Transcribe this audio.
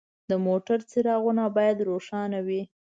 د موټر څراغونه باید روښانه وي.